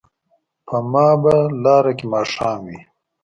په ما به لاره کې ماښام وي